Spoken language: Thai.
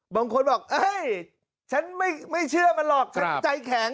บางคนบอกเอ้ยฉันไม่เชื่อมันหรอกฉันใจแข็ง